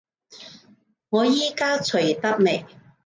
我依家除得未？